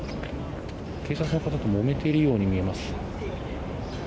警察の方ともめているように見えます。